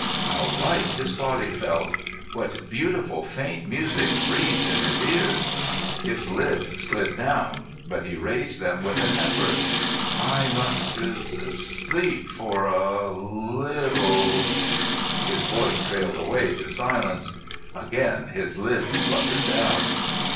How light his body felt! What beautiful, faint music breathed in his ears! His lids slid down, but he raised them with an effort. "I must sleep—for—a—little——" His voice trailed away to silence. Again his lids fluttered down.